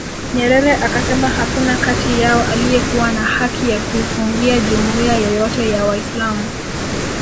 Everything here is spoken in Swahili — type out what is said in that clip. Nyerere akasema hakuna kati yao aliyekuwa na haki ya kuifungia jumuiya yoyote ya Waislam